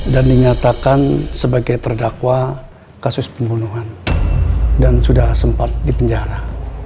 dan dinyatakan sebagai terdakwa kasus pembunuhan dan sudah sempat dipenjara